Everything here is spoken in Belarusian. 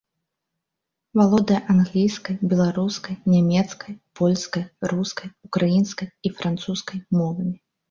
Валодае англійскай, беларускай, нямецкай, польскай, рускай, украінскай і французскай мовамі.